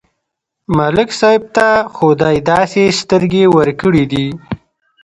ملک صاحب ته خدای داسې سترګې ورکړې دي،